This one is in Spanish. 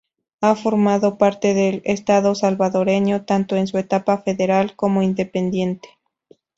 Ha formado parte del Estado salvadoreño, tanto en su etapa federal, como independiente.